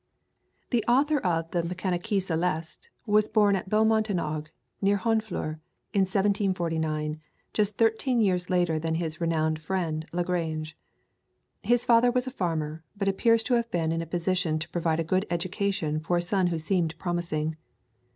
The author of the "Mecanique Celeste" was born at Beaumont en Auge, near Honfleur, in 1749, just thirteen years later than his renowned friend Lagrange. His father was a farmer, but appears to have been in a position to provide a good education for a son who seemed promising.